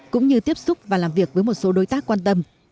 cũng như tiếp xúc và làm việc với một số đối tác quan tâm